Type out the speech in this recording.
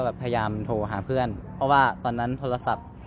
เวลาที่สุดตอนที่สุด